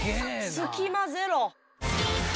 隙間ゼロ。